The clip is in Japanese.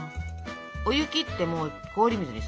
お湯切ってもう氷水にさらす。